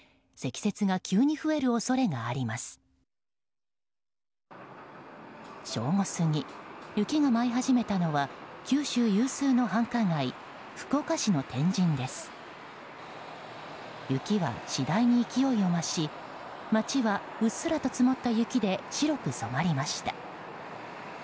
雪は次第に勢いを増し街はうっすらと積もった雪で白く染まりました。